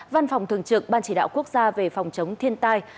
văn phòng thường trực ban chỉ đạo quốc gia về phòng chống thiên tai